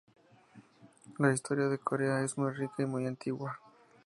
La historia de Corea es muy rica y muy antigua.